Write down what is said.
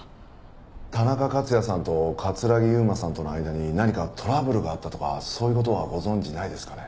田中克也さんと城悠真さんとの間に何かトラブルがあったとかそういう事はご存じないですかね？